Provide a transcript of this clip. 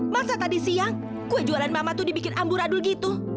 masa tadi siang kue jualan mama tuh dibikin ambur adul gitu